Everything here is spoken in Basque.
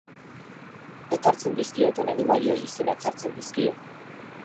Ekartzen dizkioten animaliei izenak jartzen dizkie.